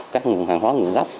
các nguồn hàng hóa nguồn gốc